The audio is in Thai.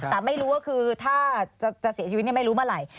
แต่ไม่รู้ว่าคือถ้าจะเสียชีวิตไม่รู้เมื่อไหร่